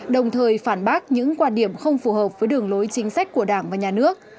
đồng thời phản bác những quan điểm không phù hợp với đường lối chính sách của đảng và nhà nước